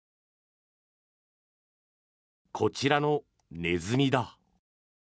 こちらのネズミだ。